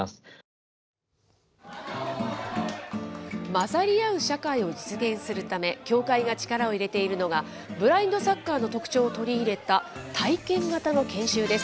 混ざり合う社会を実現するため、協会が力を入れているのが、ブラインドサッカーの特徴を取り入れた体験型の研修です。